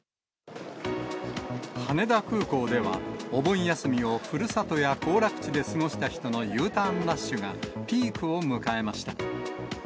羽田空港では、お盆休みをふるさとや行楽地で過ごした人たちのＵターンラッシュがピークを迎えました。